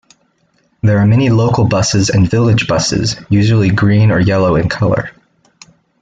There are many local buses and village buses, usually green or yellow in color.